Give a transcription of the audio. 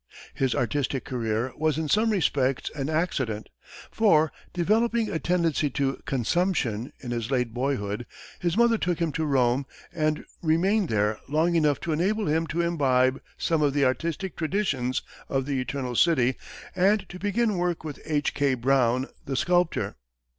His artistic career was in some respects an accident, for, developing a tendency to consumption in his late boyhood, his mother took him to Rome and remained there long enough to enable him to imbibe some of the artistic traditions of the Eternal City and to begin work with H. K. Brown, the sculptor.